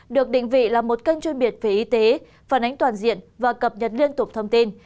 được định vị là một kênh chuyên biệt về y tế phản ánh toàn diện và cập nhật liên tục thông tin